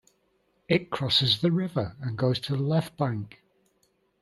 It crosses the river and goes to the left bank.